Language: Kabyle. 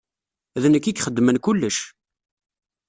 D nekk i ixeddmen kullec.